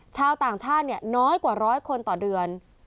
ชาวต่างชาติน้อยกว่าร้อยคนต่อเดือน